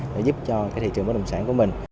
để giúp cho cái thị trường bất động sản của mình